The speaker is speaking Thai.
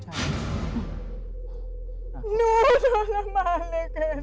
หนูทรมานเลยเกรนานา